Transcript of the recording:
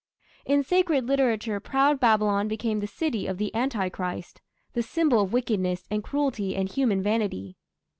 In sacred literature proud Babylon became the city of the anti Christ, the symbol of wickedness and cruelty and human vanity.